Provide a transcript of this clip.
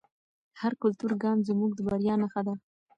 هر کلتوري ګام زموږ د بریا نښه ده.